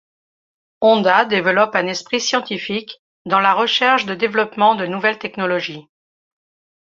Honda développe un esprit scientifique, dans la recherche de développement de nouvelles technologies.